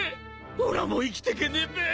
［おらもう生きてけねえべ！］